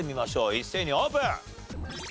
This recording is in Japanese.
一斉にオープン！